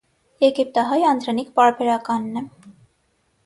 Եգիպտահայ անդրանիկ պարբերականն է։